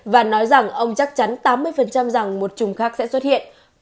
và nói rằng ông chắc chắn tám mươi rằng một chủng khác sẽ được thay đổi